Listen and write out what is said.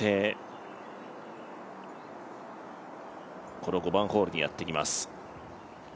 この５番ホールにやってきます。